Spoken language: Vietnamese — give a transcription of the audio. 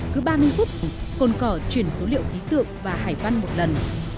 cứ ba mươi phút cồn cỏ chuyển số liệu khí tượng và hải văn một lần